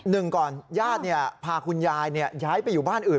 หนึ่งก่อนญาติพาคุณยายย้ายไปอยู่บ้านอื่น